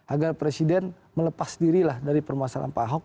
agar presiden melepas dirilah dari permasalahan pak ahok